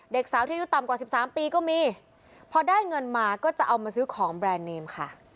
เด็กสาวที่อายุต่ำกว่าสิบสามปีก็มีพอได้เงินมาก็จะเอามาซื้อของแบรนด์เนมค่ะ